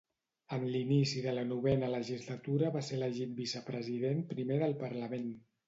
En l'inici de la novena legislatura va ser elegit vicepresident primer del Parlament.